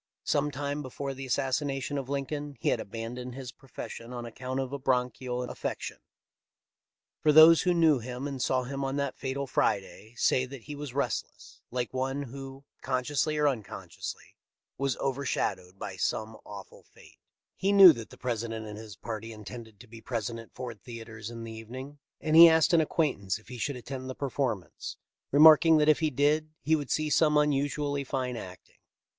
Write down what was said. Some time before the assassination of Lincoln he had abandoned his profession on account of a bronchial affection. Those who knew him and saw him on that fatal Friday say that he was restless, like one who, consciously or uncon sciously, was overshadowed by some awful fate. Lincoln's Tomb, Oak Ridge Cemetery, Springfield After photograph, 7884 THE LIFE OF LINCOLN. 579 He knew that the President and his party intended to be present at Ford's theatre in the evening, and he asked an acquaintance if he should attend the performance, remarking that if he did he would see some unusually fine acting.